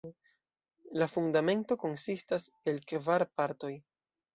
La Fundamento konsistas el kvar partoj.